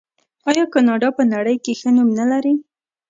آیا کاناډا په نړۍ کې ښه نوم نلري؟